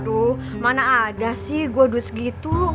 aduh mana ada sih gue duit segitu